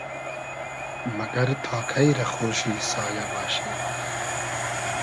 مئگئر تا کݷ رۂ خۉشی سایۂ باشی؟